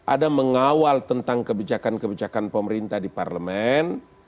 ada mengawal tentang kebijakan kebijakan pemerintah di parlemen